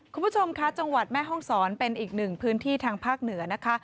คุณผู้ชมค่ะจังหวัดแม่ห้องศรเป็นอีกหนึ่งพื้นที่ทางภาคเหนือนะคะ